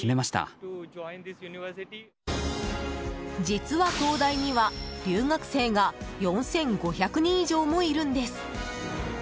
実は、東大には留学生が４５００人以上もいるんです。